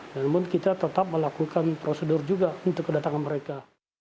namun kita tetap melakukan prosedur juga untuk kedatangan mereka